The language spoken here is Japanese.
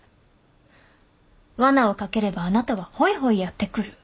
わなをかければあなたはほいほいやって来る。